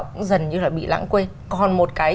cũng dần như là bị lãng quên còn một cái